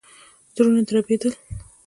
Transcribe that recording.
زړونه دربېدل.